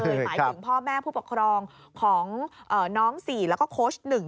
หมายถึงพ่อแม่ผู้ปกครองของน้อง๔แล้วก็โค้ช๑